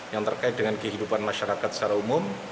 yang terkait dengan kehidupan masyarakat secara umum